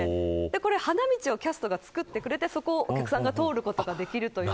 花道をキャストが作ってくれてそこをお客さんが通ることができる。